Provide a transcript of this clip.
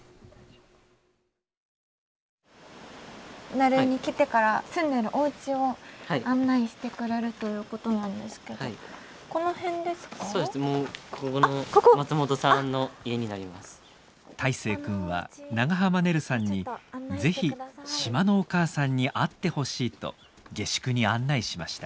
奈留に来てから住んでるおうちを案内してくれるということなんですけど泰誠君は長濱ねるさんに是非島のお母さんに会ってほしいと下宿に案内しました。